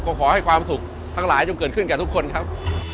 ก็ขอให้ความสุขทั้งหลายจงเกิดขึ้นกับทุกคนครับ